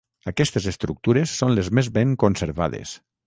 Aquestes estructures són les més ben conservades.